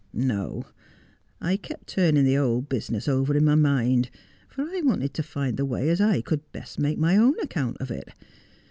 ' No ; I kept turning the whole business over in my mind, for I wanted to find the way as I could best make my own account of it.